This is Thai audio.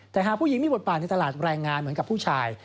แต่หากผู้หญิงมีบทบาทในตลาดแรงงานเหมือนกับผู้ชาย